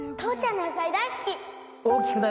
父ちゃんの野菜大好き！